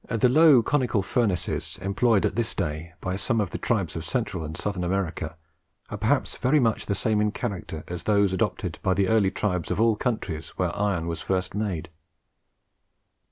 The low conical furnaces employed at this day by some of the tribes of Central and Southern Africa, are perhaps very much the same in character as those adopted by the early tribes of all countries where iron was first made.